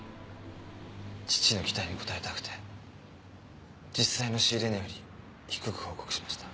父の期待に応えたくて実際の仕入れ値より低く報告しました。